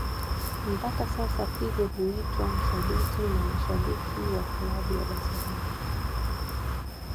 Mpaka sasa Figo huitwa msaliti na mashabiki waklabu ya Barcelona